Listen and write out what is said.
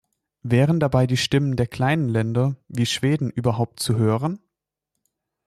Wären dabei die Stimmen der kleinen Länder wie Schweden überhaupt zu hören?